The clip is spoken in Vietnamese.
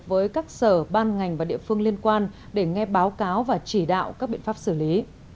với các sở ban ngành và địa phương liên quan để nghe báo cáo và chỉ đạo các biện pháp xử lý